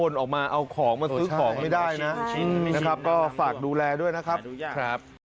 นะครับก็ฝากดูแลด้วยนะครับ